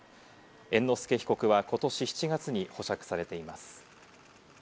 猿之助被告はことし７月に保釈されています。